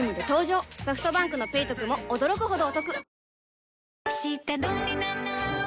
ソフトバンクの「ペイトク」も驚くほどおトク